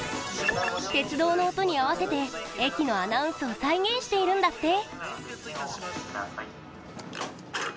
鉄道の音に合わせて駅のアナウンスを再現しているんだって！